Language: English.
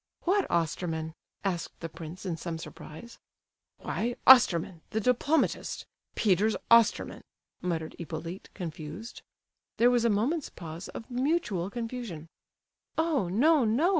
"What Osterman?" asked the prince in some surprise. "Why, Osterman—the diplomatist. Peter's Osterman," muttered Hippolyte, confused. There was a moment's pause of mutual confusion. "Oh, no, no!"